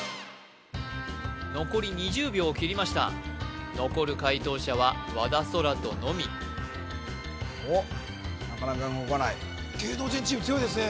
残り２０秒を切りました残る解答者は和田空大のみなかなか動かない芸能人チーム強いですね